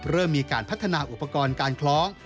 เริ่มมีการพัฒนาอุปกรณ์การคล้อง